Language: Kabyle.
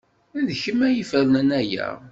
D kemm ay ifernen aya.